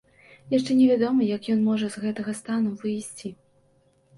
Яшчэ невядома, як ён можа з гэтага стану выйсці.